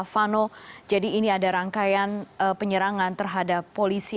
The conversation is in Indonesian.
vano jadi ini ada rangkaian penyerangan terhadap polisi